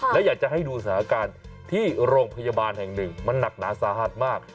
และอยากจะให้ดูสถานการณ์ที่โรงพยาบาลแห่งหนึ่งมันหนักหนาสาหัสมาก